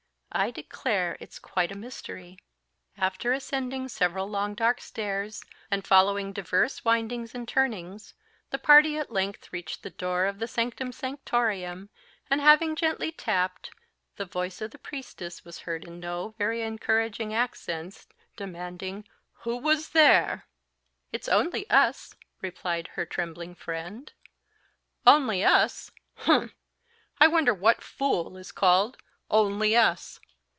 I declare it's quite a mystery." After ascending several long dark stairs, and following divers windings and turnings, the party at length reached the door of the sanctum sanctorum, and having gently tapped, the voice of the priestess was heard in no very encouraging accents, demanding "Who was there?" "It's only us," replied her trembling friend. "Only us? humph! I wonder what fool is called _only us!